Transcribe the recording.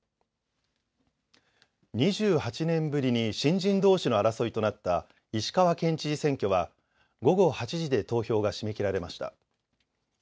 ２８年ぶりに新人どうしの争いとなった石川県知事選挙は午後８時で投票が締め切られました。